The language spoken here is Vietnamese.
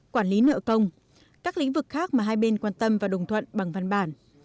quản lý nợ công các lĩnh vực khác mà hai bên quan tâm và đồng thuận bằng văn bản